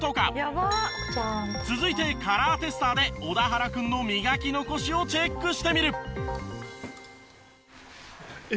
続いてカラーテスターで小田原君の磨き残しをチェックしてみる。